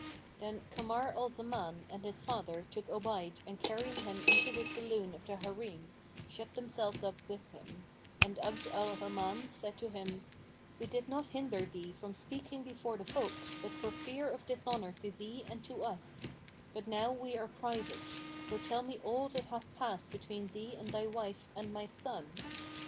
Then Kamar al Zaman and his father took Obayd and carrying him into the saloon of the Harim, shut themselves up with him; and Abd al Rahman said to him, "We did not hinder thee from speaking before the folk, but for fear of dishonour to thee and to us: but now we are private; so tell me all that hath passed between thee and thy wife and my son."